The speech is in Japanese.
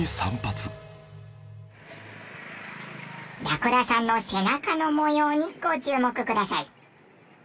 ラクダさんの背中の模様にご注目ください。